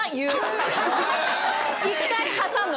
１回挟む。